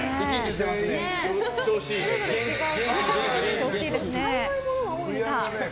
調子いいですね。